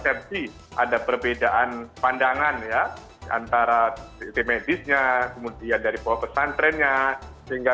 anda memiliki keinginan agong agong bagi pesantren